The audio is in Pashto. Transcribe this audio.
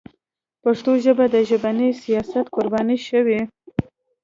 پښتو ژبه د ژبني سیاست قرباني شوې.